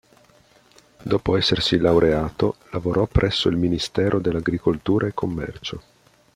Dopo essersi laureato, lavorò presso il Ministero dell'Agricoltura e Commercio.